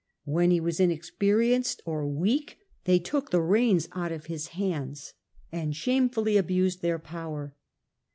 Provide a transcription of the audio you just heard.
When he was inexperienced or weak, they took the reins out of his hands, and shamefully abused their power.